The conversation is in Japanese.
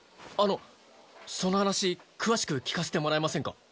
あのその話詳しく聞かせてもらえませんか？